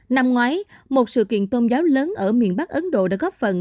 năm ngoái một sự kiện tôn giáo lớn ở miền bắc ấn độ đã góp phần